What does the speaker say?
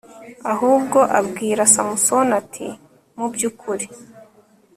ahubwo abwira samusoni, ati mu by'ukuri